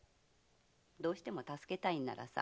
どうしても助けたいんならさ